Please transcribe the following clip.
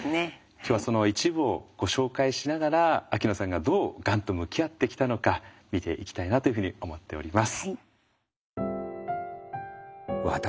今日はその一部をご紹介しながら秋野さんがどうがんと向き合ってきたのか見ていきたいなというふうに思っております。